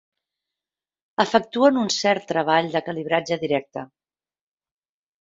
Efectuen un cert treball de calibratge directe.